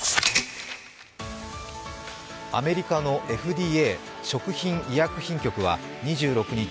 アメリカのＦＤＡ＝食品医薬品局は２６日